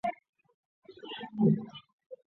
特雷桑当。